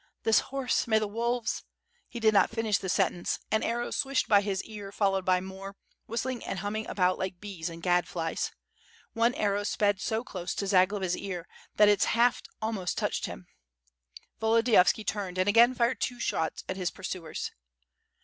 "This horse, may the wolves —'' he did not finish the sentence, an arrow swished by his ear followed by more, whistling and humming about like bees and gadflies. One arrow sped so close to Zagloba's ear, that its haft almost touched him. Volodiyovski turned and again fired two shots at his pur suers.